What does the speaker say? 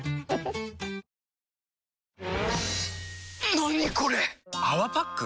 何これ⁉「泡パック」？